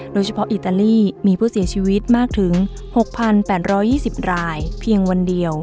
อิตาลีมีผู้เสียชีวิตมากถึง๖๘๒๐รายเพียงวันเดียว